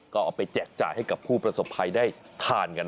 ก็ออกไปแจกจ่ายให้ผู้ประสบภัยได้ทานกันนะครับ